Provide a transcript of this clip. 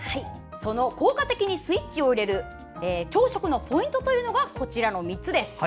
効果的にスイッチを入れる朝食のポイントがこちらの３つです。